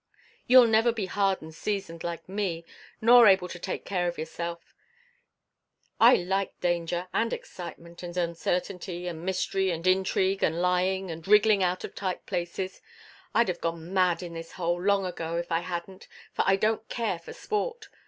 You'll never be hard and seasoned like me, nor able to take care of yourself. I like danger, and excitement, and uncertainty, and mystery, and intrigue, and lying, and wriggling out of tight places. I'd have gone mad in this hole long ago, if I hadn't, for I don't care for sport.